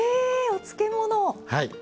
お漬物！